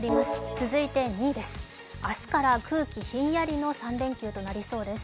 続いて２位です、明日から空気ひんやりの天気となりそうです。